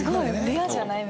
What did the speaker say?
レアじゃない？